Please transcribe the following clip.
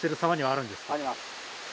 あります。